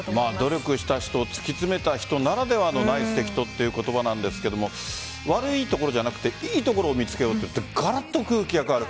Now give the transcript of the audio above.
努力した人つきつめた人ならではのナイス適当という言葉ですが悪いところじゃなくいいところを見つけようってがらっと空気が変わる。